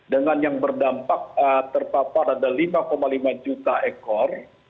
dengan yang berdampak terpapar ada lima lima juta ekor